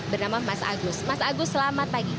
bernama mas agus mas agus selamat pagi